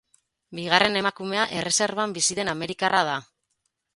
Bigarren emakumea erreserban bizi den amerikarra da.